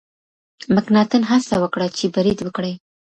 مکناتن هڅه وکړه چې برید وکړي.